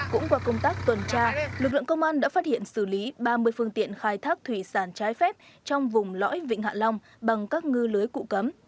cũng qua công tác tuần tra lực lượng công an đã phát hiện xử lý ba mươi phương tiện khai thác thủy sản trái phép trong vùng lõi vịnh hạ long bằng các ngư lưới cụ cấm